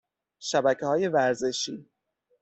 شبکه های ورزشی